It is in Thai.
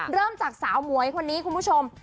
เริ่มจากสาวหมวยคนนี้คุณผู้ชม